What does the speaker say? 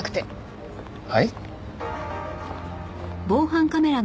はい？